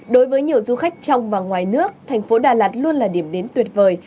đối với nhiều du khách trong và ngoài nước thành phố đà lạt luôn là điểm đến tuyệt vời